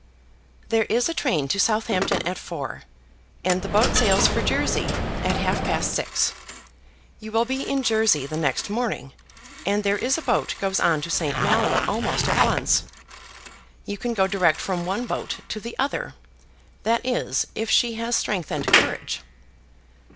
"There is a train to Southampton at four, and the boat sails for Jersey at half past six; you will be in Jersey the next morning, and there is a boat goes on to St. Malo, almost at once. You can go direct from one boat to the other, that is, if she has strength and courage."